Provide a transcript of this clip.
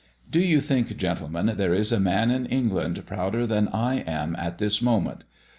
Do you, think, gentlemen, there is a man in England prouder than I am at this moment?